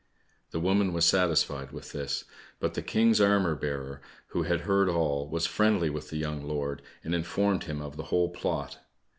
The woman was satisfied with this; but the King's armour bearer, who had heard all, was friendly with the young lord, and informed him of the whole plot.